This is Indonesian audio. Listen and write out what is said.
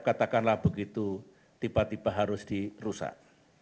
katakanlah begitu tiba tiba harus dirusak